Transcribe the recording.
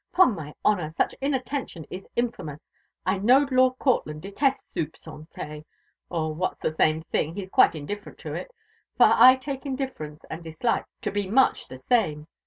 'Pon my honour! such inattention is infamous. I know Lord Courtland detests soupe _santé, _or, what's the same thing, he's quite indifferent to it; for I take indifference and dislike to be much the same.